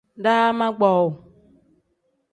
Daama kpowuu.